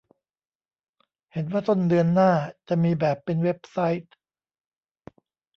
เห็นว่าต้นเดือนหน้าจะมีแบบเป็นเว็บไซต์